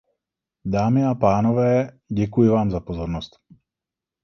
Dámy a pánové, děkuji vám za pozornost.